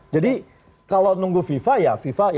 jadi kalau nunggu fifa ya